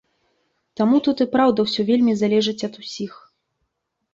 Таму тут і праўда ўсё вельмі залежыць ад усіх.